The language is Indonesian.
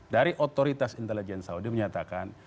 dari otoritas intelijen saudi menyatakan